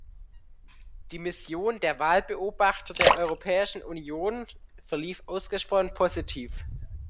Die Mission der Wahlbeobachter der Europäischen Union verlief ausgesprochen positiv.